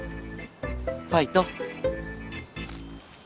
ファイト！